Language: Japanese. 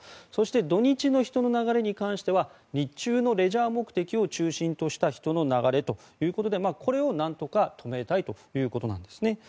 土日の人の流れに関しては日中のレジャー目的を中心とした人の流れということでこれをなんとか止めたいということなんですね。